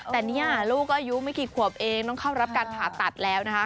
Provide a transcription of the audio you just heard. แต่เนี่ยลูกก็อายุไม่กี่ขวบเองต้องเข้ารับการผ่าตัดแล้วนะคะ